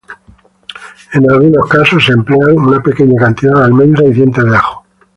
En algunos casos se emplean una pequeña cantidad de almendras y dientes de ajo.